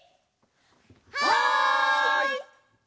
はい！